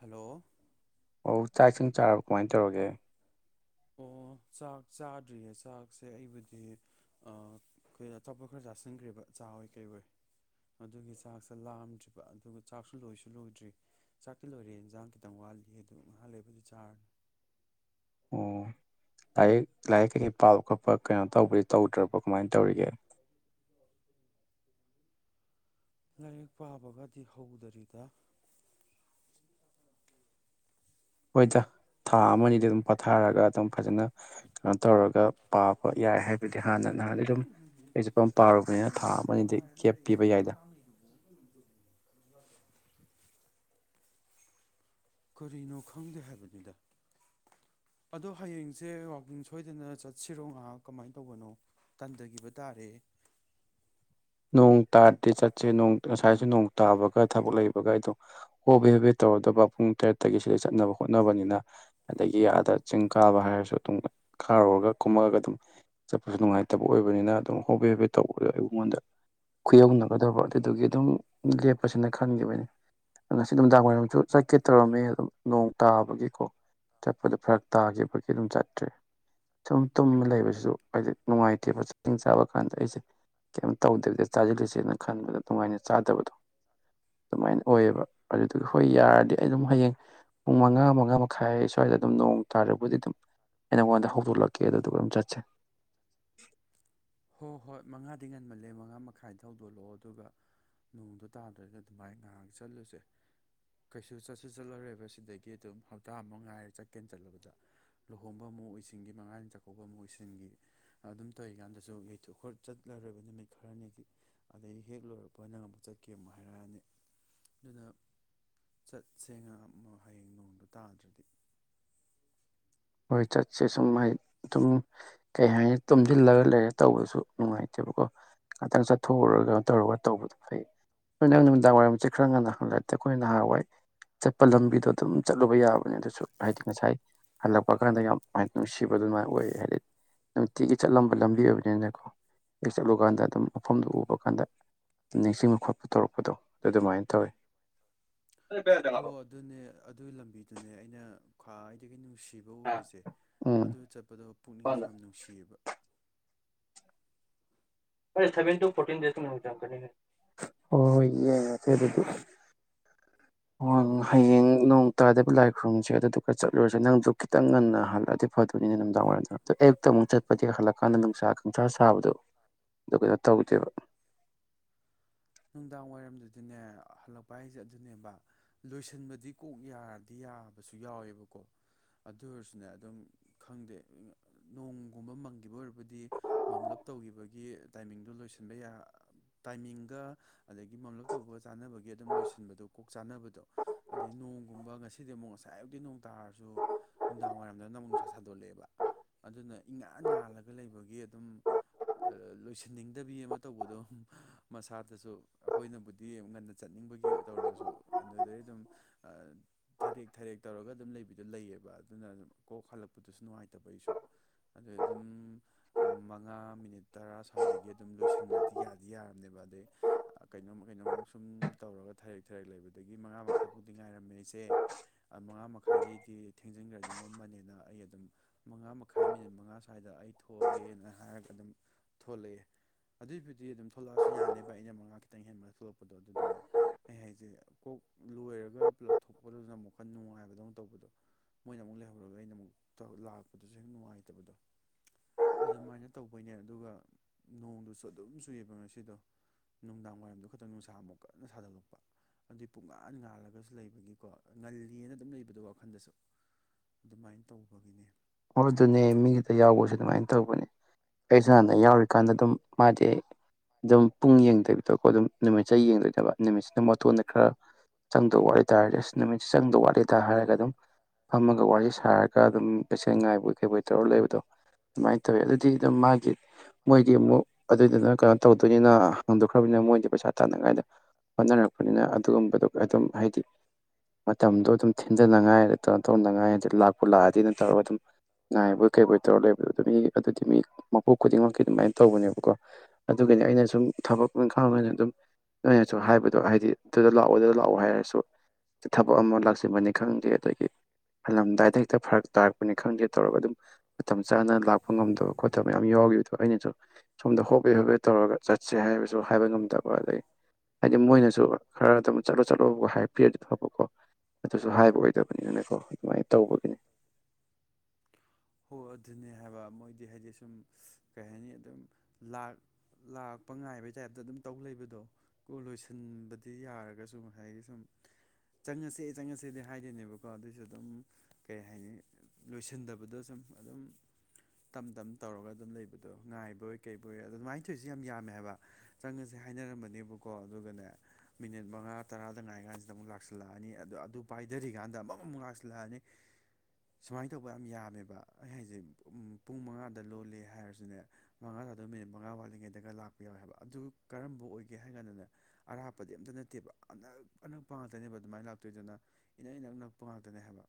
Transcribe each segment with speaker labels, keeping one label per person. Speaker 1: hello
Speaker 2: ꯑꯣ ꯆꯥꯛ ꯏꯁꯤꯡ ꯆꯥꯔꯕꯣ ꯀꯃꯥꯏ ꯇꯧꯔꯒꯦ
Speaker 1: ꯑꯣ ꯆꯥꯛ ꯆꯥꯗ꯭ꯔꯤꯌꯦ ꯆꯥꯛꯁꯦ ꯑꯩꯕꯨꯗꯤ ꯑꯥ ꯀꯩ ꯆꯥꯄꯣꯠ ꯈꯔ ꯆꯥꯁꯤꯟꯈ꯭ꯔꯦꯕ ꯆꯥꯋꯣꯏ ꯀꯩꯑꯣꯏ ꯆꯥꯛꯁꯦ ꯂꯥꯝꯗ꯭ꯔꯤꯕ ꯑꯗꯨꯒ ꯆꯥꯛꯁꯨ ꯂꯣꯏꯁꯨ ꯂꯣꯏꯗ꯭ꯔꯤ ꯆꯥꯛꯇꯤ ꯂꯣꯏꯔꯦ ꯏꯟꯖꯥꯡ ꯈꯤꯇꯪ ꯋꯥꯠꯂꯤ ꯑꯗꯨ ꯉꯥꯏꯍꯥꯛ ꯂꯩꯕꯨꯗꯤ ꯆꯥꯔꯅꯤ
Speaker 2: ꯑꯣ ꯂꯥꯏꯔꯤꯛ ꯂꯥꯏꯔꯤꯛ ꯀꯩꯀꯩ ꯄꯥꯕ ꯈꯣꯠꯄ ꯀꯩꯅꯣ ꯇꯧꯕꯗꯤ ꯇꯧꯗ꯭ꯔꯕ ꯀꯃꯥꯏꯅ ꯇꯧꯔꯤꯒꯦ
Speaker 1: ꯂꯥꯏꯔꯤꯛ ꯄꯥꯕꯒꯗꯤ ꯍꯧꯗꯔꯤꯗ
Speaker 2: ꯍꯣꯏꯗ ꯊꯥ ꯑꯃꯅꯤ ꯑꯗꯤ ꯑꯗꯨꯝ ꯄꯣꯊꯥꯔꯒ ꯑꯗꯨꯝ ꯐꯖꯅ ꯀꯩꯅꯣ ꯇꯧꯔꯒ ꯄꯥꯕ ꯌꯥꯏ ꯍꯥꯏꯕꯗꯤ ꯍꯥꯟꯅ ꯅꯍꯥꯟꯗꯤ ꯑꯗꯨꯝ ꯑꯩꯁꯨꯄꯝ ꯄꯥꯔꯨꯕꯅꯤꯅ ꯊꯥ ꯑꯃꯅꯤ ꯗꯤ ꯒꯦꯞ ꯄꯤꯕ ꯌꯥꯏꯗ
Speaker 1: ꯀꯔꯤꯅꯣ ꯈꯪꯗꯦ ꯍꯥꯏꯕꯅꯤꯗ ꯑꯗꯣ ꯍꯌꯦꯡꯁꯦ ꯋꯥꯛꯀꯤꯡ ꯁꯣꯏꯗꯅ ꯆꯠꯁꯤꯔꯣ ꯉꯥꯛ ꯀꯃꯥꯏꯅ ꯇꯧꯕꯅꯣ ꯇꯟꯗꯈꯤꯕ ꯇꯥꯔꯦ
Speaker 2: ꯅꯣꯡ ꯇꯥꯔꯗꯤ ꯆꯠꯁꯦ ꯉꯁꯥꯏꯁꯨ ꯅꯣꯡ ꯇꯥꯕꯒ ꯊꯕꯛ ꯂꯩꯕꯒ ꯑꯩ ꯑꯗꯨꯝ ꯍꯣꯕꯦ ꯍꯣꯕꯦ ꯇꯧꯔꯗꯕ ꯄꯨꯡ ꯇꯔꯦꯠꯇꯒꯤ ꯁꯤꯗ ꯆꯠꯅꯕ ꯍꯣꯠꯅꯕꯅꯤꯅ ꯑꯗꯒꯤ ꯑꯥꯗ ꯆꯤꯡ ꯀꯥꯕ ꯍꯥꯏꯔꯁꯨ ꯑꯗꯨꯝ ꯀꯥꯔꯨꯔꯒ ꯀꯨꯝꯃꯛ ꯑꯒ ꯑꯗꯨꯝ ꯆꯠꯄꯁꯨ ꯅꯨꯡꯉꯥꯏꯇꯕ ꯑꯣꯏꯕꯅꯤꯅ ꯑꯗꯨꯝ ꯍꯣꯕꯦ ꯍꯣꯕꯦ ꯇꯧꯕꯗꯣ ꯑꯩꯉꯣꯟꯗ ꯈꯨꯌꯧꯅꯒꯗꯕ ꯑꯗꯨꯗꯨꯒꯤ ꯑꯗꯨꯝ ꯂꯦꯞꯄꯁꯤꯅ ꯈꯟꯈꯤꯕꯅꯤ ꯉꯁꯤ ꯅꯨꯃꯤꯗꯥꯡ ꯋꯥꯏꯔꯝꯁꯨ ꯆꯠꯀꯦ ꯇꯧꯔꯝꯃꯦ ꯑꯗꯨꯝ ꯅꯣꯡ ꯇꯥꯕꯒꯤꯀꯣ ꯆꯠꯄꯗ ꯐꯔꯛ ꯇꯥꯈꯤꯕꯒꯤ ꯑꯗꯨꯝ ꯆꯠꯇ꯭ꯔꯦ ꯁꯨꯝ ꯇꯨꯝꯃ ꯂꯩꯕꯁꯤꯁꯨ ꯍꯥꯏꯗꯤ ꯅꯨꯡꯉꯥꯏꯇꯦꯕ ꯆꯤꯡ ꯀꯥꯕ ꯀꯥꯟꯗ ꯑꯩꯁꯦ ꯇꯧꯗꯕꯤꯗ ꯆꯥꯁꯤꯜꯂꯤꯁꯦꯅ ꯈꯟꯕꯗ ꯅꯨꯡꯉꯥꯏꯅ ꯆꯥꯗꯕꯗꯣ ꯑꯗꯨꯃꯥꯏꯅ ꯑꯣꯏꯌꯦꯕ ꯑꯗꯨꯗꯨꯒꯤ ꯍꯣꯏ ꯌꯥꯔꯗꯤ ꯑꯩ ꯑꯗꯨꯝ ꯍꯌꯦꯡ ꯄꯨꯡ ꯃꯉꯥ ꯃꯉꯥ ꯃꯈꯥꯏ ꯁ꯭ꯋꯥꯏꯗ ꯑꯗꯨꯝ ꯅꯣꯡ ꯇꯥꯔꯕꯨꯗꯤ ꯑꯗꯨꯝ ꯑꯩ ꯅꯉꯣꯟꯗ ꯍꯧꯗꯣꯛꯂꯛꯀꯦ ꯑꯗꯨꯗꯨꯒ ꯑꯗꯨꯝ ꯆꯠꯁꯦ
Speaker 1: ꯍꯣꯏ ꯍꯣꯏ ꯃꯉꯥꯗꯤ ꯉꯟꯃꯜꯂꯦ ꯃꯉꯥ ꯃꯈꯥꯏ ꯗ ꯍꯧꯗꯣꯛꯂꯛꯑꯣ ꯑꯗꯨꯒ ꯅꯣꯡꯗꯣ ꯇꯥꯗ꯭ꯔꯒ ꯑꯗꯨꯃꯥꯏꯅ ꯉꯥꯏꯍꯥꯛ ꯆꯠꯂꯨꯁꯦ ꯀꯩꯁꯨ ꯆꯠꯁꯨ ꯆꯠꯂꯔꯣꯏꯕ ꯁꯤꯗꯒꯤ ꯑꯗꯨꯝ ꯍꯞꯇꯥ ꯑꯃꯨꯛ ꯉꯥꯏꯔꯦ ꯆꯠꯀꯦꯅ ꯆꯠꯂꯕꯗ ꯂꯨꯍꯣꯡꯕ ꯑꯃꯨꯛ ꯑꯣꯏꯁꯤꯟꯈꯤ ꯃꯉꯥꯅꯤ ꯆꯥꯛꯀꯧꯕ ꯑꯃꯨꯛ ꯑꯣꯏꯁꯤꯟꯈꯤ ꯑꯗꯨꯝ ꯇꯧꯔꯤꯀꯥꯟꯗ ꯁꯨꯝ ꯌꯩꯊꯣꯛ ꯈꯔ ꯆꯠꯂꯔꯣꯏꯕ ꯅꯨꯃꯤꯠ ꯈꯔꯅꯤꯗꯤ ꯑꯗꯩ ꯍꯦꯛ ꯂꯣꯏꯔꯛꯄ ꯅꯪ ꯑꯃꯨꯛ ꯆꯠꯀꯦ ꯑꯃꯨꯛ ꯍꯥꯏꯔꯛ ꯑꯅꯤ ꯑꯗꯨꯅ ꯆꯠꯁꯦ ꯍꯌꯦꯡ ꯅꯣꯡꯗ ꯇꯥꯗ꯭ꯔꯗꯤ
Speaker 2: ꯍꯣꯏ ꯆꯠꯁꯦ ꯁꯨꯝ ꯍꯥꯏ ꯑꯗꯨꯝ ꯀꯩ ꯍꯥꯏꯅꯤ ꯇꯨꯝꯁꯤꯜꯂꯒ ꯂꯩꯔꯦ ꯇꯧꯕꯁꯨ ꯅꯨꯡꯉꯥꯏꯇꯦꯕꯀꯣ ꯉꯥꯛꯇꯪ ꯆꯠꯊꯣꯛꯎꯨꯔꯒ ꯇꯧꯔꯒ ꯇꯧꯕꯗꯣ ꯐꯩ ꯅꯣꯏ ꯅꯪ ꯅꯨꯃꯤꯗꯥꯡ ꯋꯥꯏꯔꯝꯁꯦ ꯈꯔ ꯉꯟꯅ ꯍꯪꯂꯛꯑꯗꯤ ꯑꯩꯈꯣꯏ ꯅꯍꯥꯟꯋꯥꯏ ꯆꯠꯄ ꯂꯝꯕꯤꯗꯣ ꯑꯗꯨꯝ ꯆꯠꯂꯨꯕ ꯌꯥꯕꯅꯦ ꯑꯗꯨꯁꯨ ꯍꯥꯏꯗꯤ ꯉꯁꯥꯏ ꯍꯜꯂꯛꯄ ꯀꯥꯟꯗ ꯌꯥꯝ ꯅꯨꯡꯁꯤꯕ ꯑꯗꯨꯃꯥꯏꯅ ꯑꯣꯏ ꯍꯥꯏꯗꯤ ꯅꯨꯡꯇꯤꯒꯤ ꯆꯠꯂꯝꯕ ꯂꯝꯕꯤ ꯑꯣꯏꯕꯅꯤꯅꯀꯣ ꯍꯦꯛ ꯆꯠꯂꯨ ꯀꯥꯟꯗ ꯑꯗꯨꯝ ꯃꯐꯝꯗꯨ ꯎꯕ ꯀꯥꯟꯗ ꯅꯤꯡꯁꯤꯡꯕ ꯈꯣꯠꯄ ꯇꯧꯔꯛꯄꯗꯣ ꯑꯗꯨ ꯑꯗꯨꯃꯥꯏꯅ ꯇꯧꯋꯤ
Speaker 1: ꯍꯣ ꯑꯗꯨꯅꯦ ꯑꯗꯨꯒꯤ ꯂꯝꯕꯤꯗꯨꯅꯦ ꯑꯩꯅ ꯈ꯭ꯋꯥꯏꯗꯒꯤ ꯅꯨꯡꯁꯤ ꯅꯨꯡꯁꯤꯕ ꯑꯣꯏꯔꯤꯁꯦ
Speaker 2: ꯎꯝ
Speaker 1: ꯑꯗꯨ ꯆꯠꯄꯗꯣ ꯄꯨꯛꯅꯤꯡꯁꯨ ꯌꯥꯝ
Speaker 2: ꯍꯣꯏ
Speaker 1: ꯅꯨꯡꯁꯤꯌꯦꯕ
Speaker 2: ꯍꯣꯏ ꯁꯕꯦꯟ ꯇꯨ ꯐꯣꯔꯇꯤꯟ ꯗꯦꯁꯀꯨꯝꯕ ꯆꯪꯂꯛꯀꯅꯤ ꯍꯣ ꯌꯦꯡ ꯑꯁꯦ ꯑꯗꯨꯗꯤ ꯍꯌꯦꯡ ꯅꯣꯡ ꯇꯥꯗꯕ ꯂꯥꯏ ꯈꯨꯔꯨꯝꯁꯦ ꯑꯗꯨꯗꯨꯒ ꯆꯠꯂꯨꯔꯁꯦ ꯅꯪꯗꯨ ꯈꯤꯇꯪ ꯉꯟꯅ ꯍꯜꯂꯛ ꯑꯗꯤ ꯐꯗꯣꯏꯅꯤꯅꯦ ꯅꯨꯡꯗꯥꯡ ꯋꯥꯏꯔꯝ ꯗꯣ ꯑꯌꯨꯛꯇ ꯑꯃꯨꯛ ꯆꯠꯄꯗꯤ ꯍꯜꯂꯛ ꯑ ꯀꯥꯟꯗ ꯅꯨꯡꯁꯥ ꯈꯪꯁꯥ ꯁꯥꯕꯗꯣ ꯑꯗꯨ ꯀꯩꯅꯣ ꯇꯧꯗꯦꯕ
Speaker 1: ꯅꯨꯡꯗꯥꯡ ꯋꯥꯏꯔꯝꯗꯨꯗꯤꯅꯦ ꯍꯜꯂꯛꯄ ꯍꯥꯏꯁꯦ ꯑꯗꯨꯅꯦꯕ ꯂꯣꯏꯁꯤꯟꯕꯗꯤ ꯀꯣꯛ ꯌꯥꯔꯗꯤ ꯌꯥꯕꯁꯨ ꯌꯥꯎꯋꯦꯕꯀꯣ ꯑꯗꯨ ꯑꯣꯏꯔꯁꯨꯅꯦ ꯑꯗꯨꯝ ꯈꯪꯗꯦ ꯅꯣꯡꯒꯨꯝꯕ ꯃꯪꯈꯤꯕ ꯑꯣꯏꯔꯕꯗꯤ ꯃꯝꯂꯞ ꯇꯧꯈꯤꯕꯒꯤ ꯇꯥꯏꯃꯤꯡꯗꯣ ꯂꯣꯏꯁꯤꯟꯕ ꯌꯥ ꯇꯥꯏꯃꯤꯡꯒ ꯑꯗꯒꯤ ꯃꯝꯂꯞ ꯇꯧꯕꯒ ꯆꯥꯅꯕꯒꯤ ꯑꯗꯨꯝ ꯂꯣꯏꯁꯤꯟꯕꯗꯣ ꯀꯣꯛ ꯆꯥꯅꯕꯗꯣ ꯑꯗꯩ ꯅꯣꯡꯒꯨꯝꯕ ꯉꯁꯤꯗꯤ ꯑꯃꯨꯛ ꯉꯁꯥꯏꯗꯤ ꯅꯣꯡ ꯇꯥꯔꯁꯨ ꯅꯨꯡꯗꯥꯡ ꯋꯥꯏꯔꯝꯗꯅ ꯑꯃꯨꯛ ꯅꯨꯡꯁꯥ ꯁꯥꯗꯣꯛꯂꯛ ꯑꯦꯕ ꯑꯗꯨꯅ ꯏꯪꯉꯥꯟ ꯉꯥꯜꯂꯒ ꯂꯩꯕꯒꯤ ꯑꯗꯨꯝ ꯂꯣꯏꯁꯤꯟꯅꯤꯡꯗꯕꯤ ꯑꯃ ꯇꯧꯕꯗꯣ ꯃꯁꯥ ꯑꯗꯨꯗꯁꯨ ꯑꯩꯈꯣꯏꯅꯕꯨꯗꯤ ꯉꯟꯅ ꯆꯠꯅꯤꯡꯕꯒꯤ ꯇꯧꯔꯁꯨ ꯑꯗꯨꯗꯩ ꯑꯗꯨꯝ ꯊꯥꯔꯦꯛ ꯊꯔꯦꯛ ꯇꯧꯔꯒ ꯑꯗꯨꯝ ꯂꯩꯕꯤꯗꯣ ꯂꯩꯌꯦꯕ ꯑꯗꯨꯅ ꯀꯣꯛ ꯍꯜꯂꯛꯄꯗꯨꯁꯨ ꯅꯨꯡꯉꯥꯏꯇꯕ ꯑꯩꯁꯨ ꯑꯗꯨꯗꯩ ꯑꯗꯨꯝ ꯃꯉꯥ ꯃꯤꯅꯤꯠ ꯇꯔꯥ ꯁ꯭ꯋꯥꯏꯗꯒꯤ ꯑꯗꯨꯝ ꯂꯣꯏꯁꯤꯟꯕꯗꯤ ꯌꯥꯗꯤ ꯌꯥꯔꯝꯅꯦꯕ ꯑꯗꯩ ꯀꯩꯅꯣꯝ ꯀꯩꯅꯣꯝꯃ ꯁꯨꯝ ꯇꯧꯔꯒ ꯊꯔꯦꯛ ꯊꯥꯔꯦꯛ ꯂꯩꯕꯗꯒꯤ ꯃꯉꯥ ꯃꯈꯥꯏꯐꯥꯎꯗꯤ ꯉꯥꯏꯔꯝꯃꯦ ꯑꯩꯁꯦ ꯃꯉꯥ ꯃꯈꯥꯏꯗꯩꯗꯤ ꯊꯦꯡꯖꯤꯟꯈ꯭ꯔꯗꯤ ꯃꯝꯕꯅꯤꯅ ꯑꯩ ꯑꯗꯨꯝ ꯃꯉꯥ ꯃꯈꯥꯏ ꯃꯤꯅꯤꯠ ꯃꯉꯥ ꯁ꯭ꯋꯥꯏꯗ ꯑꯩ ꯊꯣꯛ ꯑꯒꯦꯅ ꯍꯥꯏꯔꯒ ꯑꯗꯨꯝ ꯊꯣꯛꯂꯛꯑꯦ ꯑꯗꯨꯏꯕꯨꯗꯤ ꯑꯗꯨꯝ ꯊꯣꯛꯂꯛꯑꯁꯨ ꯌꯥꯅꯦ ꯑꯩꯅ ꯃꯉꯥ ꯈꯤꯇꯪ ꯍꯦꯟꯕꯗ ꯊꯣꯛꯂꯛꯄꯗꯣ ꯑꯗꯨꯗꯅꯦ ꯑꯩ ꯍꯥꯏꯁꯦ ꯀꯣꯛ ꯂꯣꯏꯔꯒ ꯄꯨꯂꯞ ꯊꯣꯛꯄꯗꯨꯗꯨꯅ ꯑꯃꯨꯛ ꯈꯔ ꯅꯨꯡꯉꯥꯏꯕꯗꯧ ꯇꯧꯕꯗꯣ ꯃꯣꯏꯅ ꯑꯃꯨꯛ ꯂꯩꯍꯧꯔꯒ ꯑꯩꯅ ꯑꯃꯨꯛ ꯂꯥꯛꯄꯗꯨꯁꯨ ꯍꯦꯛ ꯅꯨꯡꯉꯥꯏꯇꯕꯗꯣ ꯑꯗꯨꯃꯥꯏꯅ ꯇꯧꯕꯩꯅꯦ ꯑꯗꯨꯒ ꯅꯣꯡꯗꯨꯁꯨ ꯑꯗꯨꯝ ꯆꯨꯏ ꯑꯦꯕ ꯑꯁꯤꯗꯣ ꯅꯨꯡꯗꯥꯡ ꯋꯥꯏꯔꯝꯗ ꯈꯛꯇꯪ ꯅꯨꯡꯁꯥ ꯑꯃꯨꯛ ꯀꯟꯅ ꯁꯥꯒꯠꯂꯛꯄ ꯑꯗꯨꯒꯤ ꯄꯨꯡꯉꯥꯟ ꯉꯥꯜꯂꯒꯁꯨ ꯂꯩꯕꯒꯤꯀꯣ ꯉꯜꯂꯤꯅ ꯑꯗꯨꯝ ꯂꯩꯕꯗꯣ ꯋꯥꯈꯜꯗꯁꯨ ꯑꯗꯨꯃꯥꯏꯅ ꯇꯧꯕꯒꯤꯅꯦ
Speaker 2: ꯑꯣ ꯑꯗꯨꯅꯦ ꯃꯤꯒꯤꯗ ꯌꯥꯎꯕꯁꯦ ꯑꯗꯨꯃꯥꯏꯅ ꯇꯧꯕꯅꯦ ꯑꯩꯁꯨ ꯍꯥꯟꯅ ꯌꯥꯎꯔꯤꯀꯥꯟꯗ ꯑꯗꯨꯝ ꯃꯥꯗꯤ ꯑꯗꯨꯝ ꯄꯨꯡ ꯌꯦꯡꯗꯤꯕꯗꯀꯣ ꯑꯗꯨꯝ ꯅꯨꯃꯤꯠꯁꯦ ꯌꯦꯡꯗꯣꯏꯅꯦꯕ ꯅꯨꯃꯤꯠꯁꯤꯅ ꯃꯀꯇꯣꯟꯗ ꯈꯔ ꯆꯪꯗꯧꯕ ꯋꯥꯠꯂꯤꯗ ꯇꯥꯔꯗꯤ ꯑꯁ ꯅꯨꯃꯤꯠꯁꯦ ꯆꯪꯗꯕ ꯋꯥꯠꯂꯤꯗ ꯍꯥꯏꯔꯒ ꯑꯗꯨꯝ ꯐꯝꯃꯒ ꯋꯥꯔꯤ ꯁꯥꯔꯒ ꯑꯗꯨꯝ ꯄꯦꯁꯦꯟ ꯉꯥꯏꯕꯣꯏ ꯀꯩꯏꯕꯣꯏ ꯇꯧꯔ ꯂꯩꯕꯗꯣ ꯑꯗꯨꯃꯥꯏꯅ ꯇꯧꯋꯤ ꯑꯗꯨꯗꯤ ꯑꯗꯨꯝ ꯃꯥꯒꯤ ꯃꯣꯏꯗꯤ ꯑꯃꯨꯛ ꯑꯗꯨꯏꯗꯨꯅ ꯀꯩꯅꯣ ꯇꯧꯗꯣꯏꯅꯤꯅ ꯍꯥꯡꯗꯣꯛꯈ꯭ꯔꯕꯅꯤꯅ ꯃꯣꯏꯗꯤ ꯄꯩꯁꯥ ꯇꯥꯅꯉꯥꯏꯗ ꯍꯣꯠꯅꯔꯛꯄꯅꯤꯅ ꯑꯗꯨꯒꯨꯝꯕꯗꯨꯒ ꯑꯗꯨꯝ ꯍꯥꯏꯗꯤ ꯃꯇꯝꯗꯣ ꯑꯗꯨꯝ ꯊꯤꯟꯗꯅꯉꯥꯏ ꯀꯩꯅꯣ ꯇꯧꯅꯉꯥꯏ ꯑꯗꯨ ꯂꯥꯛꯄ ꯂꯥꯛꯑꯗꯤ ꯇꯧꯔꯒ ꯑꯗꯨꯝ ꯉꯥꯏꯕꯣꯏ ꯀꯩꯕꯣꯏ ꯇꯧꯔ ꯂꯩꯕꯗꯣ ꯑꯗꯨꯝ ꯃꯤ ꯑꯗꯨꯗꯤ ꯃꯤ ꯃꯄꯨ ꯈꯨꯗꯤꯡꯃꯛꯀꯤ ꯑꯗꯨꯃꯥꯏꯅ ꯇꯧꯕꯅꯦꯕꯀꯣ ꯑꯗꯨꯒꯅꯤ ꯑꯩꯅ ꯁꯨꯝ ꯊꯕꯛ ꯏꯪꯈꯥꯡꯗꯣ ꯑꯗꯨꯝ ꯅꯣꯏꯅꯁꯨ ꯍꯥꯏꯕꯗꯣ ꯍꯥꯏꯗꯤ ꯑꯗꯨꯗ ꯂꯥꯛꯑꯣ ꯑꯗꯨꯗ ꯂꯥꯛꯑꯣ ꯍꯥꯏꯔꯁꯨ ꯊꯕꯛ ꯑꯃ ꯂꯥꯛꯁꯤꯟꯕꯅꯤ ꯈꯪꯗꯦ ꯑꯗꯒꯤ ꯍꯜꯂꯝꯗꯥꯏꯗ ꯍꯦꯛꯇ ꯐꯔꯛ ꯇꯥꯔꯛꯄꯅꯤ ꯈꯪꯗꯦ ꯇꯧꯔꯒ ꯑꯗꯨꯝ ꯃꯇꯝ ꯆꯥꯅ ꯂꯥꯛꯄ ꯉꯝꯗꯕ ꯈꯣꯠꯇꯕ ꯃꯌꯥꯝ ꯌꯥꯎꯈꯤꯕꯗꯣ ꯍꯣꯏ ꯑꯩꯅꯁꯨ ꯁꯣꯝꯗ ꯍꯣꯕꯦ ꯍꯣꯕꯦ ꯇꯧꯔꯒ ꯆꯠꯁꯦ ꯍꯥꯏꯕꯁꯨ ꯍꯥꯏꯕ ꯉꯝꯗꯕ ꯑꯗꯒꯤ ꯍꯥꯏꯗꯤ ꯃꯣꯏꯅꯁꯨ ꯈꯔ ꯑꯗꯨꯝ ꯆꯠꯂꯣ ꯆꯠꯂꯣ ꯍꯥꯏꯕꯤꯔꯗꯤ ꯐꯕꯀꯣ ꯑꯗꯨꯁꯨ ꯍꯥꯏꯕ ꯑꯣꯏꯗꯕꯅꯤꯅꯀꯣ ꯑꯗꯨꯃꯥꯏꯅ ꯇꯧꯕꯒꯤꯅꯤ
Speaker 1: ꯍꯣ ꯑꯗꯨ ꯑꯗꯨꯅꯦ ꯍꯥꯏꯕ ꯃꯣꯏꯗꯤ ꯍꯥꯏꯗꯤ ꯁꯨꯝ ꯀꯩ ꯍꯥꯏꯅꯤ ꯑꯗꯨꯝ ꯂꯥꯛ ꯂꯥꯛꯄ ꯉꯥꯏꯕꯩ ꯇꯥꯏꯞꯇ ꯑꯗꯨꯝ ꯇꯧ ꯂꯩꯕꯗꯣ ꯂꯣꯏꯁꯤꯟꯕꯗꯤ ꯌꯥꯔꯒꯁꯨ ꯉꯁꯥꯏꯒꯤ ꯁꯨꯝ ꯆꯪꯉꯁꯦ ꯆꯪꯉꯁꯦꯗꯤ ꯍꯥꯏꯗꯤꯅꯦꯕꯀꯣ ꯑꯗꯨꯏꯁꯨ ꯑꯗꯨꯝ ꯀꯩ ꯍꯥꯏꯅꯤ ꯂꯣꯏꯁꯤꯟꯗꯕ ꯑꯗꯨꯗ ꯁꯨꯝ ꯑꯗꯨꯝ ꯇꯝ ꯇꯝ ꯇꯧꯔꯒ ꯑꯗꯨꯝ ꯂꯩꯕꯗꯣ ꯉꯥꯏꯕꯣꯏ ꯀꯩꯕꯣꯏ ꯑꯗꯣ ꯑꯗꯨꯃꯥꯏꯅ ꯇꯧꯔꯤꯁꯦ ꯌꯥꯝ ꯌꯥꯝꯃꯦ ꯍꯥꯏꯕ ꯆꯪꯉꯁꯦ ꯍꯥꯏꯅꯔꯝꯕꯅꯦꯕꯀꯣ ꯑꯗꯨꯒꯅꯦ ꯃꯤꯅꯤꯠ ꯃꯉꯥ ꯇꯔꯥꯗ ꯉꯥꯏ ꯀꯥꯟꯁꯤꯗ ꯑꯃꯨꯛ ꯂꯥꯛꯁꯤꯜꯂꯛ ꯑꯅꯤ ꯑꯗꯣ ꯑꯗꯨ ꯄꯥꯏꯗꯔꯤꯀꯥꯟꯗ ꯑꯃꯨꯛ ꯑꯃꯨꯛ ꯂꯥꯛꯁꯤꯜꯂꯛ ꯑꯅꯤ ꯁꯨꯃꯥꯏꯅ ꯇꯧꯕ ꯌꯥꯝ ꯌꯥꯝꯃꯦ ꯃꯦꯕ ꯑꯩ ꯍꯥꯏꯁꯦ ꯄꯨꯡ ꯃꯉꯥꯗ ꯂꯣꯜꯂꯦ ꯍꯥꯏꯔꯁꯨꯅꯦ ꯃꯉꯥꯗ ꯑꯗꯨ ꯃꯤꯅꯤꯠ ꯃꯉꯥ ꯋꯥꯠꯂꯤꯉꯩꯗꯒ ꯂꯥꯛꯄ ꯌꯥꯎꯋꯦ ꯍꯥꯏꯕ ꯑꯗꯨ ꯀꯔꯝꯕ ꯑꯣꯏꯒꯦ ꯍꯥꯏ ꯀꯥꯟꯗꯅꯦ ꯑꯔꯥꯞꯄꯗꯤ ꯑꯝꯇ ꯅꯠꯇꯦꯕ ꯑꯅꯛ ꯑꯅꯛꯄ ꯉꯥꯛꯇꯅꯦꯕ ꯑꯗꯨꯃꯥꯏꯅ ꯂꯥꯛꯇꯣꯏꯗꯨꯅ ꯏꯅꯛ ꯏꯅꯛ ꯅꯛꯄ ꯉꯥꯛꯇꯅꯦ ꯍꯥꯏꯕ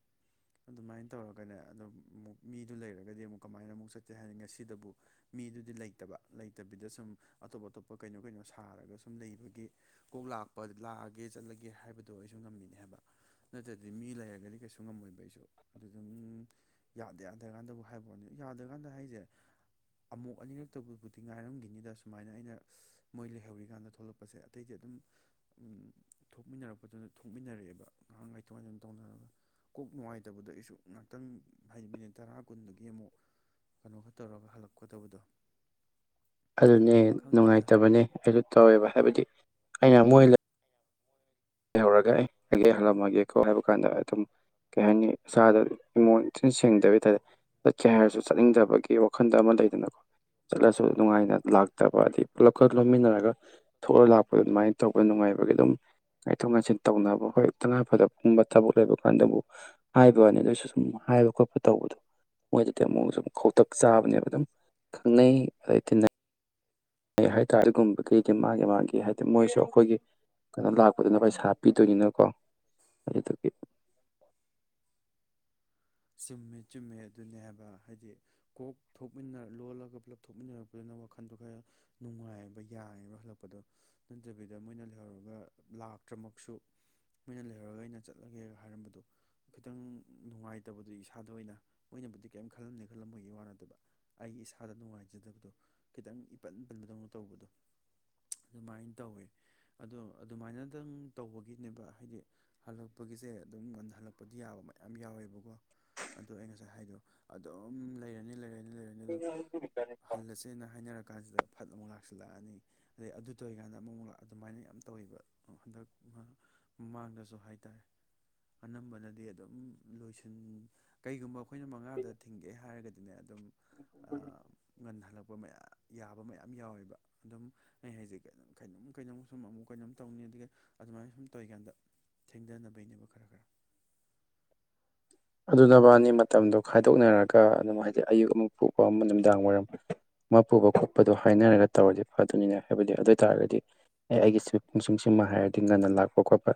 Speaker 1: ꯑꯗꯨꯃꯥꯏꯅ ꯇꯧꯔꯒꯅꯦ ꯑꯗꯨꯝ ꯑꯃꯨꯛ ꯃꯤꯗꯨ ꯂꯩꯔꯒꯗꯤ ꯑꯃꯨꯛ ꯀꯃꯥꯏꯅ ꯑꯃꯨꯛ ꯆꯠꯀꯦ ꯍꯥꯏꯅꯤ ꯉꯁꯤꯗꯕꯨ ꯃꯤꯗꯨꯗꯤ ꯂꯩꯇꯕ ꯂꯩꯇꯕꯤꯗ ꯁꯨꯝ ꯑꯇꯣꯞ ꯑꯇꯣꯞꯄ ꯀꯩꯅꯣ ꯀꯩꯅꯣ ꯁꯥꯔꯒ ꯁꯨꯝ ꯂꯩꯕꯒꯤ ꯀꯣꯛ ꯂꯥꯛꯄ ꯂꯥꯛꯑꯒꯦ ꯆꯠꯂꯒꯦ ꯍꯥꯏꯕꯗꯣ ꯑꯩꯁꯨ ꯉꯝꯃꯤꯅꯦ ꯍꯥꯏꯕ ꯅꯠꯇ꯭ꯔꯗꯤ ꯃꯤ ꯂꯩꯔꯒꯗꯤ ꯀꯩꯁꯨ ꯉꯝꯃꯣꯏꯕ ꯑꯩꯁꯨ ꯑꯗꯨ ꯑꯗꯨꯝ ꯌꯥꯗ ꯌꯥꯗ ꯀꯥꯟꯗꯕꯨ ꯍꯥꯏꯕ ꯋꯥꯅꯤ ꯌꯥꯗ꯭ꯔꯀꯥꯟꯗ ꯍꯥꯏꯁꯦ ꯑꯃꯨꯛ ꯑꯅꯤꯔꯛꯇꯕꯨꯗꯤ ꯉꯥꯏꯔꯝꯈꯤꯅꯤꯗ ꯁꯨꯃꯥꯏꯅ ꯑꯩꯅ ꯃꯣꯏ ꯂꯩꯍꯧꯔꯤꯀꯥꯟꯗ ꯊꯣꯛꯂꯛꯄꯁꯦ ꯑꯇꯩꯗꯤ ꯑꯗꯨꯝ ꯊꯣꯛꯃꯤꯟꯅꯔꯛꯄꯗꯨꯅ ꯊꯣꯛꯃꯤꯟꯅꯔꯛ ꯑꯦꯕ ꯉꯍꯥꯛ ꯉꯥꯏꯇꯣꯛ ꯉꯥꯏꯁꯤꯟ ꯇꯧꯅꯔꯒ ꯀꯣꯛ ꯅꯨꯡꯉꯥꯏꯇꯕꯗꯣ ꯑꯩꯁꯨ ꯉꯥꯛꯇꯪ ꯍꯥꯏꯗꯤ ꯃꯤꯅꯤꯠ ꯇꯔꯥ ꯀꯨꯟꯗꯒꯤ ꯑꯃꯨꯛ ꯀꯩꯅꯣꯒ ꯇꯧꯔꯒ ꯍꯜꯂꯛ ꯀꯗꯕꯗꯣ
Speaker 2: ꯑꯗꯨꯅꯦ ꯅꯨꯡꯉꯥꯏꯇꯕꯅꯦ ꯑꯩꯁꯨ ꯇꯧꯋꯦꯕ ꯍꯥꯏꯕꯗꯤ ꯑꯩꯅ ꯃꯣꯏ ꯂꯩꯍꯧꯔꯒ ꯑꯦ ꯑꯩ ꯍꯜꯂꯝꯃꯒꯦꯀꯣ ꯍꯥꯏꯕ ꯀꯥꯟꯗ ꯑꯗꯨꯝ ꯀꯩ ꯍꯥꯏꯅꯤ ꯏꯁꯥꯗ ꯏꯃꯣꯟ ꯁꯦꯡꯗꯕ ꯍꯥꯏꯇꯥꯔꯦ ꯆꯠꯀꯦ ꯍꯥꯏꯔꯁꯨ ꯆꯠꯅꯤꯡꯗꯕꯒꯤ ꯋꯥꯈꯟꯗ ꯑꯃ ꯂꯩꯗꯅꯀꯣ ꯆꯠꯂꯁꯨ ꯅꯨꯡꯉꯥꯏꯅ ꯂꯥꯛꯇꯕ ꯑꯗꯩ ꯄꯨꯂꯞ ꯀ ꯂꯣꯃꯤꯟꯅꯔꯒ ꯊꯣꯛꯂ ꯂꯥꯛꯄ ꯑꯗꯨꯃꯥꯏꯅ ꯇꯧꯔꯒ ꯅꯨꯡꯉꯥꯏꯕꯒꯤ ꯑꯗꯨꯝ ꯊꯣꯛ ꯉꯥꯟꯁꯤꯟ ꯇꯧꯅꯕ ꯍꯣꯏ ꯇꯉꯥꯏꯐꯗꯕꯒꯨꯝꯕ ꯊꯕꯛ ꯂꯩꯕ ꯀꯥꯟꯗ ꯑꯃꯨꯛ ꯍꯥꯏꯕ ꯋꯥꯅꯤ ꯑꯗꯨ ꯑꯣꯏꯁꯨ ꯁꯨꯝ ꯍꯥꯏꯕ ꯈꯣꯠꯄ ꯇꯧꯕꯗꯣ ꯃꯣꯏꯗꯗꯤ ꯑꯃꯨꯛ ꯁꯨꯝ ꯈꯧꯇꯛ ꯆꯥꯕꯅꯦꯕ ꯑꯗꯨꯝ ꯈꯪꯅꯩ ꯑꯗꯩ ꯇꯤꯟꯅꯩ ꯍꯥꯏꯇꯥꯔꯦ ꯑꯗꯨꯒꯨꯝꯕꯒꯤꯗꯤ ꯃꯥꯒꯤ ꯃꯥꯒꯤ ꯍꯥꯏꯗꯤ ꯃꯣꯏꯁꯨ ꯑꯩꯈꯣꯏꯒꯤ ꯀꯩꯅꯣ ꯂꯥꯛꯄꯗꯨꯅ ꯄꯩꯁꯥ ꯄꯤꯗꯣꯏꯅꯤꯅꯀꯣ ꯑꯗꯨꯗꯨꯒꯤ
Speaker 1: ꯆꯨꯝꯃꯦ ꯆꯨꯝꯃꯦ ꯑꯗꯨꯅꯦ ꯍꯥꯏꯕ ꯍꯥꯏꯗꯤ ꯀꯣꯛ ꯊꯣꯛꯃꯤꯟꯅ ꯂꯣꯜꯂꯒ ꯄꯨꯂꯞ ꯊꯣꯛꯃꯤꯟꯅꯔꯛꯄꯗꯨꯅ ꯋꯥꯈꯟꯗꯣ ꯈꯔ ꯅꯨꯡꯉꯥꯏꯕ ꯌꯥꯏꯑꯦꯕ ꯍꯜꯂꯛꯄꯗꯣ ꯅꯠꯇꯕꯤꯗ ꯃꯣꯏꯅ ꯂꯩꯍꯧꯔꯒ ꯂꯥꯛꯇ꯭ꯔꯃꯛꯁꯨ ꯃꯣꯏꯅ ꯂꯩꯍꯧꯔꯒ ꯑꯩꯅ ꯆꯠꯂꯒꯦ ꯍꯥꯏꯔꯝꯕꯗꯣ ꯈꯤꯇꯪ ꯅꯨꯡꯉꯥꯏꯇ ꯇꯕꯗꯨ ꯏꯁꯥꯗ ꯑꯣꯏꯅ ꯃꯣꯏꯅꯕꯨꯗꯤ ꯀꯔꯤꯝ ꯈꯜꯂꯝꯅꯤ ꯈꯜꯂꯝꯃꯣꯏꯒꯤ ꯋꯥ ꯅꯠꯇꯕ ꯑꯩ ꯏꯁꯥꯗ ꯅꯨꯡꯉꯥꯏꯖꯗꯕꯗꯣ ꯈꯤꯇꯪ ꯏꯄꯟ ꯄꯟꯕꯗꯧꯅ ꯇꯧꯕꯗꯣ ꯑꯗꯨꯃꯥꯏꯅ ꯇꯧꯋꯦ ꯑꯗꯣ ꯑꯗꯨꯃꯥꯏꯅꯗꯪ ꯇꯧꯕꯒꯤꯅꯦꯕ ꯍꯥꯏꯗꯤ ꯍꯜꯂꯛꯄꯒꯤꯁꯦ ꯑꯗꯨꯝ ꯉꯟ ꯍꯜꯂꯛꯄꯗꯤ ꯌꯥꯕ ꯃꯌꯥꯝ ꯌꯥꯎꯋꯦꯕꯀꯣ ꯑꯗꯨ ꯑꯩ ꯉꯁꯥꯏ ꯍꯥꯏꯗꯣ ꯑꯗꯨꯝ ꯂꯩꯔꯅꯤ ꯂꯩꯔꯅꯤ ꯂꯩꯔꯅꯤ ꯑꯗꯣ ꯍꯜꯂꯁꯦꯅ ꯍꯥꯏꯅꯔ ꯀꯥꯟꯁꯤꯗ ꯐꯠ ꯑꯃꯨꯛ ꯂꯥꯛꯁꯤꯜꯂꯛ ꯑꯅꯤ ꯑꯗꯩ ꯑꯗꯨ ꯇꯧꯔꯤꯀꯥꯟꯗ ꯑꯃꯨꯛꯃꯨꯛ ꯑꯗꯨꯃꯥꯏꯅ ꯌꯥꯝ ꯇꯧꯋꯦꯕ ꯍꯟꯗꯛ ꯃꯃꯥꯡꯗꯁꯨ ꯍꯥꯏ ꯇꯥꯔꯦ ꯑꯅꯝꯕꯅꯗꯤ ꯑꯗꯨꯝ ꯂꯣꯏꯁꯤꯜ ꯀꯩꯒꯨꯝꯕ ꯑꯩꯈꯣꯏꯅ ꯃꯉꯥꯗ ꯊꯤꯡꯒꯦ ꯍꯥꯏꯔꯒꯗꯤ ꯁꯤꯅꯦ ꯑꯗꯨꯝ ꯉꯟ ꯍꯜꯂꯛꯄ ꯃꯌꯥꯝ ꯌꯥꯕ ꯃꯌꯥꯝ ꯌꯥꯎꯋꯦꯕ ꯑꯗꯨꯝ ꯑꯩ ꯍꯥꯏꯁꯦ ꯀꯩꯅꯣ ꯁꯨꯝ ꯑꯃꯨꯛ ꯀꯩꯅꯣꯝ ꯇꯧꯅꯤ ꯑꯗꯒꯤ ꯑꯗꯨꯃꯥꯏꯅ ꯁꯨꯝ ꯇꯧꯔꯤꯀꯥꯟꯗ ꯊꯦꯡꯊꯅꯕꯩꯅꯦꯕ ꯈꯔ ꯈꯔ
Speaker 2: ꯑꯗꯨꯅꯕꯅꯤ ꯃꯇꯝꯗꯣ ꯈꯥꯏꯗꯣꯛꯅꯔꯒ ꯑꯗꯨꯝ ꯍꯥꯏꯗꯤ ꯑꯌꯨꯛ ꯑꯃ ꯄꯨꯕ ꯑꯃ ꯃꯤꯗꯥꯡ ꯋꯥꯏꯔꯝ ꯑꯃ ꯄꯨꯕ ꯈꯣꯠꯄꯗꯣ ꯍꯥꯏꯅꯔꯒ ꯇꯧꯔꯗꯤ ꯐꯗꯧꯅꯤꯅꯦ ꯍꯥꯏꯕꯗꯤ ꯑꯗꯨ ꯑꯣꯏ ꯇꯥꯔꯒꯗꯤ ꯑꯦ ꯑꯩꯒꯤꯁꯤ ꯄꯨꯡ ꯁꯤꯃ ꯍꯥꯏꯔꯗꯤ ꯉꯟꯅ ꯂꯥꯛꯄ ꯈꯣꯠꯄ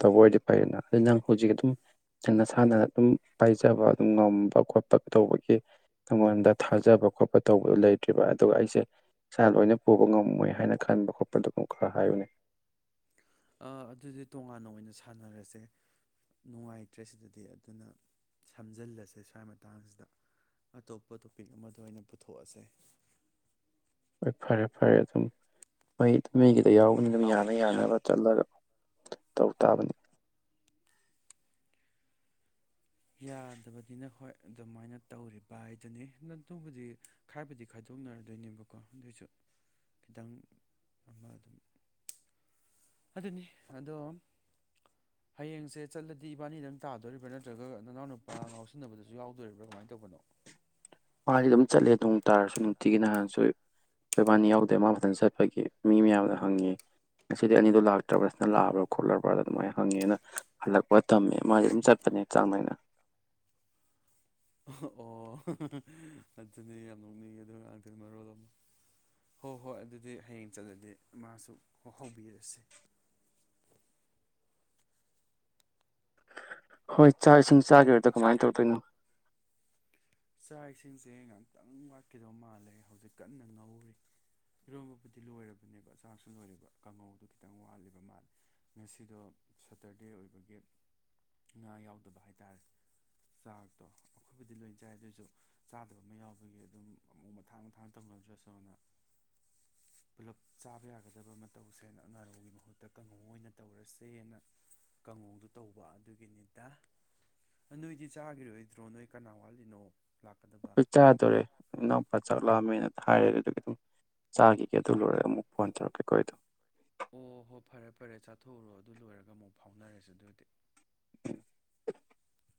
Speaker 2: ꯇꯧꯕ ꯑꯣꯏꯔꯗꯤ ꯐꯩꯅ ꯑꯗꯨ ꯅꯪ ꯍꯧꯖꯤꯛ ꯑꯗꯨꯝ ꯅꯪ ꯅꯁꯥꯅ ꯑꯗꯨꯝ ꯄꯥꯏꯖꯕ ꯑꯗꯨꯝ ꯉꯝꯕ ꯈꯣꯠꯄ ꯇꯧꯕꯒꯤ ꯑꯩꯉꯣꯟꯗ ꯊꯥꯖꯕ ꯈꯣꯠꯄ ꯇꯧꯕꯗꯨꯣ ꯂꯩꯇ꯭ꯔꯤꯕ ꯑꯗꯨꯒ ꯑꯩꯁꯦ ꯏꯁꯥ ꯂꯣꯏꯅ ꯄꯨꯕ ꯉꯝꯃꯣꯏ ꯍꯥꯏꯅ ꯈꯟꯕ ꯈꯣꯠꯄꯗ ꯑꯗꯨꯝ ꯈꯔ ꯍꯥꯏꯌꯨꯅꯦ
Speaker 1: ꯑꯗꯨꯗꯤ ꯇꯣꯉꯥꯟꯅ ꯑꯣꯏꯅ ꯁꯥꯟꯅꯔꯁꯦ ꯅꯨꯡꯉꯥꯏꯇ꯭ꯔꯦ ꯁꯤꯗꯗꯤ ꯑꯗꯨꯅ ꯁꯝꯖꯤꯜꯂꯁꯦ ꯁ꯭ꯋꯥꯏ ꯃꯇꯥꯡꯁꯤꯗ ꯑꯇꯣꯞꯄ ꯇꯣꯄꯤꯛ ꯑꯃꯗ ꯑꯣꯏꯅ ꯄꯨꯊꯣꯛꯑꯁꯦ
Speaker 2: ꯍꯣꯏ ꯐꯔꯦ ꯐꯔꯦ ꯑꯗꯨꯝ ꯃꯣꯏ ꯃꯤꯒꯤ ꯌꯥꯎꯕꯅꯤꯅ ꯌꯥꯅ ꯌꯥꯅ ꯆꯂꯒ ꯇꯧ ꯇꯥꯕꯅꯤ
Speaker 1: ꯌꯥꯗꯕꯅꯤꯅ ꯍꯣꯏ ꯑꯗꯨꯃꯥꯏꯅ ꯇꯧꯔꯤꯕ ꯍꯥꯏꯗꯨꯅꯤ ꯑꯗꯨꯕꯨꯗꯤ ꯈꯔꯕꯨꯗꯤ ꯈꯥꯏꯗꯣꯛꯅꯔꯗꯣꯏꯅꯦꯕꯀꯣ ꯑꯗꯨꯏꯁꯨ ꯈꯤꯇꯪ ꯑꯃ ꯑꯗꯨꯝ ꯑꯗꯨꯅꯤ ꯑꯗꯣ ꯍꯌꯦꯡꯁꯦ ꯆꯠꯂꯗꯤ ꯏꯕꯥꯅꯤꯗꯪ ꯇꯥꯗꯣꯔꯤꯕ꯭ꯔꯥ ꯅꯠꯇ꯭ꯔꯒ ꯅꯅꯥꯎꯅꯨꯄꯥ ꯉꯥꯎꯁꯤꯟꯅꯕꯗꯁꯨ ꯌꯥꯎꯗꯣꯔꯤꯕ꯭ꯔꯥ ꯀꯃꯥꯏꯅ ꯇꯧꯕꯅꯣ
Speaker 2: ꯃꯥ ꯑꯗꯨꯝ ꯆꯠꯂꯦ ꯅꯣꯡ ꯇꯥꯔꯁꯨ ꯅꯨꯡꯇꯤꯒꯤ ꯅꯍꯥꯟꯁꯨ ꯅꯣꯏꯕꯥꯅꯤ ꯌꯥꯎꯗꯦ ꯃꯥ ꯃꯊꯟ ꯆꯠꯄꯒꯤ ꯃꯤ ꯃꯌꯥꯝꯅ ꯍꯪꯉꯦ ꯉꯁꯤꯗꯤ ꯑꯅꯤꯗꯣ ꯂꯥꯛꯇ꯭ꯔꯕ꯭ꯔꯥ ꯅꯊꯟ ꯂꯥꯛꯑꯕ꯭ꯔꯥ ꯈꯣꯠꯂꯕ꯭ꯔꯥ ꯑꯗꯨꯃꯥꯏꯅ ꯍꯪꯉꯦꯅ ꯍꯜꯂꯛꯄ ꯇꯝꯃꯦ ꯃꯥꯗꯤ ꯑꯗꯨꯝ ꯆꯠꯄꯅꯦ ꯆꯥꯡ ꯅꯥꯏꯅ
Speaker 1: ꯑꯣ ꯍꯥ ꯍꯥ ꯍꯥ ꯑꯗꯨꯗꯤ ꯌꯥꯝ ꯅꯣꯛꯅꯤꯡ ꯑꯗꯨ ꯉꯥꯡꯗꯨꯅ ꯃꯔꯣꯜ ꯑꯃ ꯍꯣꯏ ꯍꯣꯏ ꯑꯗꯨꯗꯤ ꯍꯌꯦꯡ ꯆꯠꯂꯗꯤ ꯃꯥꯁꯨ ꯍꯧꯕꯤꯔꯁꯤ
Speaker 2: ꯍꯣꯏ ꯆꯥꯛ ꯏꯁꯤꯡ ꯆꯥꯒꯤꯔꯣꯏꯗꯔꯣ ꯀꯃꯥꯏꯟ ꯇꯧꯗꯣꯏꯅꯣ
Speaker 1: ꯆꯥꯛ ꯏꯁꯤꯡꯁꯦ ꯉꯥꯛꯇꯪ ꯋꯥꯠꯈꯤꯗꯧꯕ ꯃꯥꯜꯂꯦ ꯍꯧꯖꯤꯛ ꯀꯟꯅ ꯉꯧꯔꯤ ꯏꯔꯣꯟꯕꯕꯨꯗꯤ ꯂꯣꯏꯔꯕꯅꯦꯕ ꯆꯥꯛꯁꯨ ꯂꯣꯏꯔꯦꯕ ꯀꯥꯡꯉꯧꯗꯣ ꯈꯤꯇꯪ ꯋꯥꯠꯂꯤꯕ ꯃꯥꯜꯂꯦ ꯉꯁꯤꯗꯣ ꯁꯇꯔꯗꯦ ꯑꯣꯏꯕꯒꯤ ꯉꯥ ꯌꯥꯎꯗꯕ ꯍꯥꯏꯇꯥꯥꯔꯦ ꯆꯥꯛꯇꯣ ꯑꯩꯈꯣꯏꯕꯨꯗꯤ ꯂꯣꯏ ꯆꯥꯏ ꯑꯗꯨꯁꯨ ꯆꯥꯗꯕ ꯑꯃ ꯌꯥꯎꯕꯒꯤ ꯑꯗꯨꯝ ꯑꯃꯨꯛ ꯃꯊꯥꯡ ꯃꯊꯥꯡ ꯇꯧꯅꯗ꯭ꯔꯁꯨꯅ ꯄꯨꯂꯞ ꯆꯥꯕ ꯌꯥꯒꯗꯕ ꯑꯃ ꯇꯧꯁꯦꯅ ꯉꯥꯒꯤ ꯃꯍꯨꯠꯇ ꯀꯥꯡꯉꯧ ꯑꯣꯏꯅ ꯇꯧꯔꯁꯦꯅ ꯀꯥꯡꯉꯧꯗꯨ ꯇꯧꯕ ꯑꯗꯨꯒꯤꯅꯤꯗ ꯅꯤꯏꯗꯦ ꯆꯥꯈꯤꯔꯣꯏꯗ꯭ꯔꯣ ꯅꯣꯏ ꯀꯅꯥꯋꯥꯂꯤ ꯀꯦꯅꯣ
Speaker 2: ꯑꯩ ꯆꯥꯗꯣꯔꯦ ꯏꯅꯥꯎꯄꯥ ꯆꯥꯛꯂꯥꯝꯃꯦꯅ ꯍꯥꯏꯔꯦ ꯑꯗꯨ ꯑꯗꯨꯒꯤ ꯑꯗꯨꯝ ꯆꯥꯈꯤꯒꯦ ꯑꯗꯨ ꯂꯣꯏꯔꯒ ꯑꯃꯨꯛ ꯐꯣꯟ ꯇꯧꯔꯛꯀꯦ ꯑꯩꯗꯣ
Speaker 1: ꯑꯣ ꯍꯣ ꯐꯔꯦ ꯐꯔꯦ ꯆꯥꯊꯣꯛꯎꯔꯣ ꯑꯗꯨ ꯂꯣꯏꯔꯒ ꯑꯃꯨꯛ ꯐꯥꯎꯅꯔꯁꯦ ꯑꯗꯨꯑꯣꯏꯗꯤ
Speaker 2: [inaudible]